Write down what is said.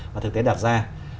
mà thực tế đạt ra